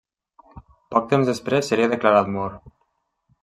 Poc temps després seria declarat mort.